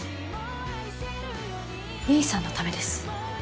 結衣さんのためです。